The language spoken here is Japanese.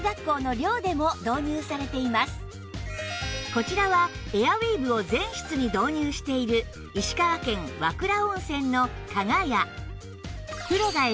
こちらはエアウィーヴを全室に導入している石川県和倉温泉の加賀屋